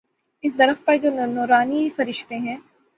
اس درخت پر جو نوارنی فرشتے ہیں۔